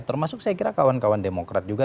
termasuk saya kira kawan kawan demokrat juga